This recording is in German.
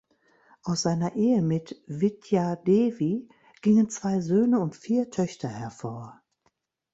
Aus seiner Ehe mit Vidya Devi gingen zwei Söhne und vier Töchter hervor.